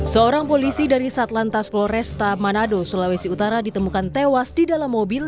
seorang polisi dari satlantas polresta manado sulawesi utara ditemukan tewas di dalam mobil